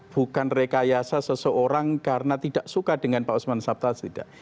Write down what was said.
bukan rekayasa seseorang karena tidak suka dengan pak usman sabta tidak